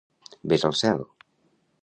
Ves al cel.